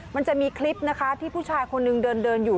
มันจะมีคลิปนะคะที่ผู้ชายคนนึงเดินอยู่